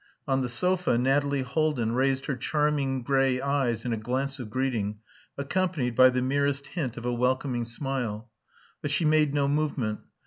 On the sofa, Nathalie Haldin raised her charming grey eyes in a glance of greeting accompanied by the merest hint of a welcoming smile. But she made no movement.